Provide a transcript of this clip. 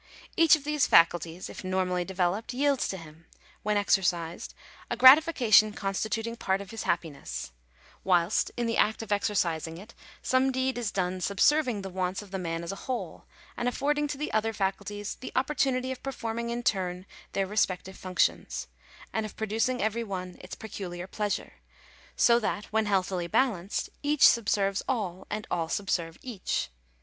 Each of these faculties, if normally developed, yields to him, when exercised, a gratification consti tuting part of his happiness ; whilst, in the act of exercising it, some deed is done subserving the wants of the man as a whole, and affording to the other faculties the opportunity of perform ing in turn their respective functions, and of producing every one its peculiar pleasure: so that, when healthily balanced, each subserves all, and all subserve each.